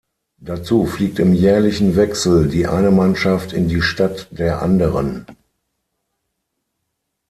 Dazu fliegt im jährlichen Wechsel die eine Mannschaft in die Stadt der anderen.